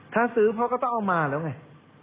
ถ้าซื้อพ่อก็ต้องเอามาแล้วไง